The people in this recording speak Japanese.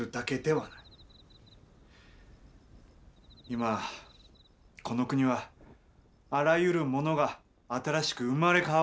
今この国はあらゆるものが新しく生まれ変わろうとしている。